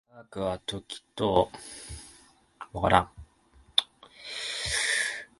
科学は時と処を超えて通用する即ち普遍妥当的といわれる知識を求める。